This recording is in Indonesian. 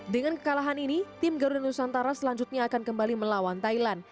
dengan kekalahan ini tim garuda nusantara selanjutnya akan kembali melawan thailand